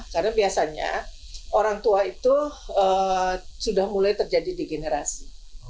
karena biasanya orang tua itu sudah mulai terjadi di generasi